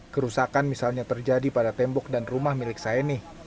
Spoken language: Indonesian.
kerusakan misalnya terjadi pada tembok dan rumah milik saini